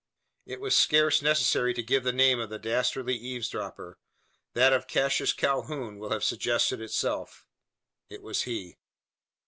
It is scarce necessary to give the name of the dastardly eavesdropper. That of Cassius Calhoun will have suggested itself. It was he.